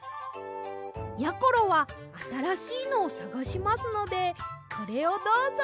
やころはあたらしいのをさがしますのでこれをどうぞ。